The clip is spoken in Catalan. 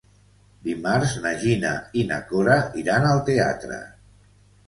Dimarts na Gina i na Cora iran al teatre.